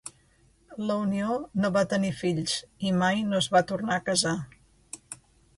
La unió no va tenir fills i mai no es va tornar a casar.